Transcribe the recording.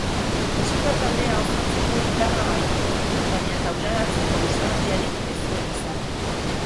Musika taldea osatzeko indarra bai, baina taularatzeko ausardiarik ez zuen izan.